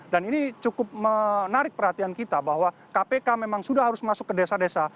dan ini cukup menarik perhatian kita bahwa kpk memang sudah harus masuk ke desa desa